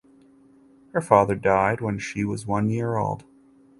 Her father died when she was one year old.